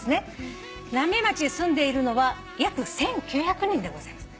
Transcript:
浪江町に住んでいるのは約１，９００人でございます。